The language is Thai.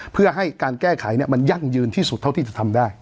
เพื่อให้การแก้ไขมันยั่งยืนที่สุดเท่าที่จะทำได้